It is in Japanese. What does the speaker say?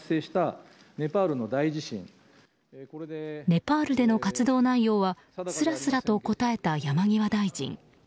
ネパールでの活動内容はすらすらと答えた山際大臣。